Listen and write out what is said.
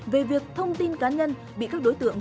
về việc thông tin cá nhân bị các đối tượng